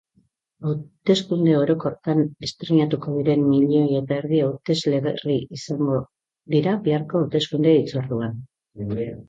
Hauteskunde orokorretan estreinatuko diren milioi eta erdi hautesle berri izango dira biharko hauteskunde-hitzorduan.